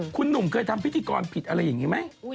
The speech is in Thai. คุณหนุ่มเคยทำพิธีกรผิดอะไรอย่างนี้ไหม